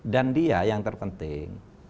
dan dia yang terpenting